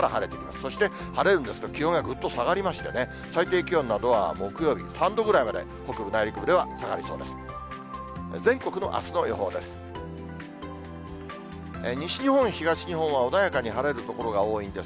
そして晴れるんですけれども、気温がぐっと下がりまして、最低気温などは木曜日、３度ぐらいまで北部、内陸部では、下がりそうです。